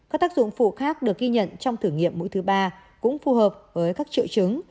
các tác dụng phụ khác được ghi nhận trong thử nghiệm mũi thứ ba cũng phù hợp với các triệu chứng